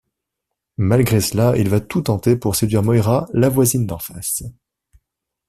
Malgré cela, il va tout tenter pour séduire Moïra, la voisine d’en face…